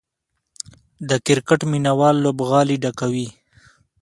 د کرکټ مینه وال لوبغالي ډکوي.